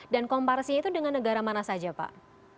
dan komparisinya itu dengan negara mana saja pak